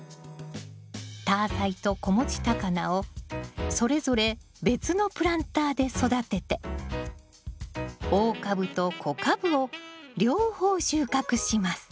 タアサイと子持ちタカナをそれぞれ別のプランターで育てて大株と小株を両方収穫します。